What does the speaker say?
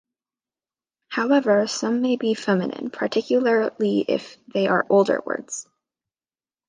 However, some may be feminine, particularly if they are older words.